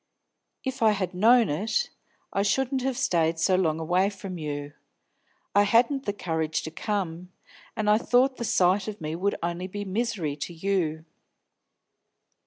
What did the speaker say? If I had known it, I shouldn't have stayed so long away from you; I hadn't the courage to come, and I thought the sight of me would only be misery to you.